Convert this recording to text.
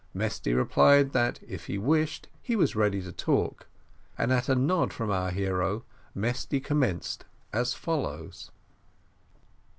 Mesty replied, that if he wished he was ready to talk; and at a nod from our hero, Mesty commenced as follows.